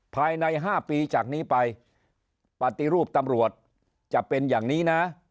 ภายใน๕ปีจากนี้ไปปฏิรูปตำรวจจะเป็นอย่างนี้นะ